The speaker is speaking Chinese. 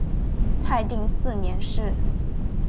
泰定四年事。